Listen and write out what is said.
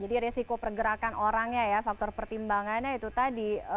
jadi risiko pergerakan orangnya ya faktor pertimbangannya itu tadi